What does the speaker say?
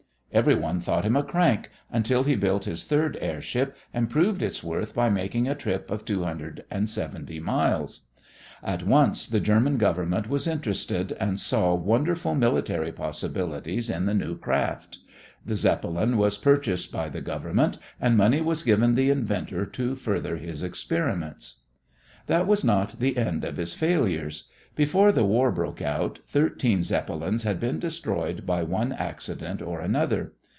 Every one thought him a crank until he built his third airship and proved its worth by making a trip of 270 miles. At once the German Government was interested and saw wonderful military possibilities in the new craft. The Zeppelin was purchased by the government and money was given the inventor to further his experiments. That was not the end of his failures. Before the war broke out, thirteen Zeppelins had been destroyed by one accident or another.